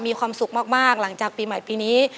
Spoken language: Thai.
มีความสุขมากหลังจากปีใหม่ปีนี้